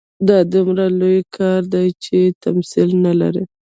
دا دومره لوی کار دی چې تمثیل نه لري.